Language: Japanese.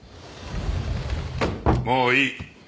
もういい。